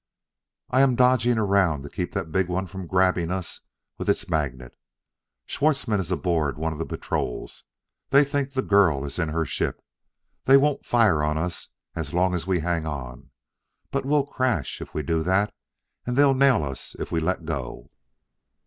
"I am dodging around to keep that big one from grabbing us with its magnet. Schwartzmann is aboard one of the patrols; they think the girl is in her ship. They won't fire on us as long as we hang on. But we'll crash if we do that, and they'll nail us if we let go."